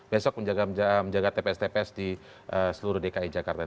besok menjaga tps tps di seluruh dki jakarta